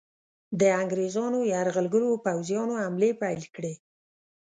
د انګریزانو یرغلګرو پوځیانو حملې پیل کړې.